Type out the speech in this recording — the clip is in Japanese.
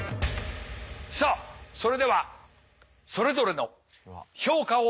さあそれではそれぞれの評価を下しましょう。